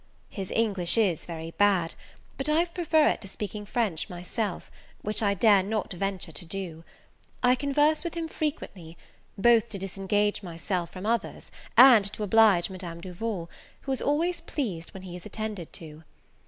His English is very bad; but I prefer it to speaking French myself, which I dare not venture to do. I converse with him frequently, both to disengage myself from others, and to oblige Madame Duval, who is always pleased when he is attended to.